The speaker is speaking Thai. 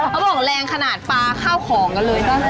เขาบอกแรงขนาดปลาข้าวของกันเลย